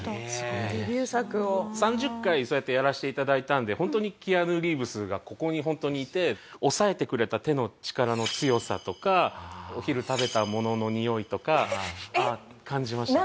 ３０回そうやってやらせて頂いたんでホントにキアヌ・リーブスがここにホントにいて押さえてくれた手の力の強さとかお昼食べたもののにおいとか感じましたね。